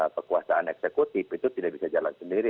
kekuasaan eksekutif itu tidak bisa jalan sendiri